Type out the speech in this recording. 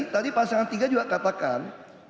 tadi pasangan tiga juga katakan